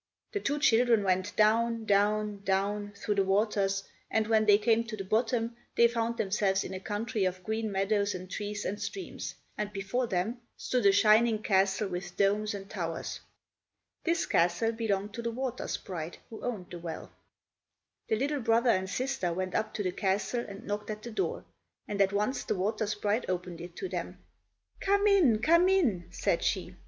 The two children went down—down—down—through the waters, and when they came to the bottom they found themselves in a country of green meadows and trees and streams, and before them stood a shining castle with domes and towers. This castle belonged to the water sprite who owned the well. The little brother and sister went up to the castle and knocked at the door, and at once the water sprite opened it to them. "Come in, come in," said she.